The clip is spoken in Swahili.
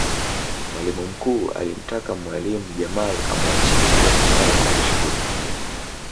mwalimu mkuu alimtaka mwalimu jamal amuachie hilo suala alishughulikie